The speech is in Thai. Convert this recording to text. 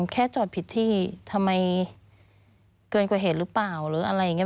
แค่จอดผิดที่ทำไมเกินกว่าเหตุหรือเปล่า